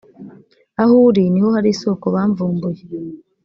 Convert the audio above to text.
aho uri ni ho hari isoko bamvumbuye